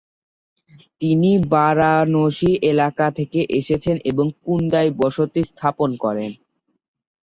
তিনি বারাণসী এলাকা থেকে এসেছেন এবং কুন্দায় বসতি স্থাপন করেন।